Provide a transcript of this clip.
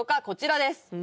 こちらです